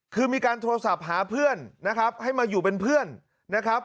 คือมีการโทรศัพท์หาเพื่อนนะครับให้มาอยู่เป็นเพื่อนนะครับ